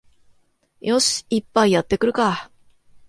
よし、一杯やってくるか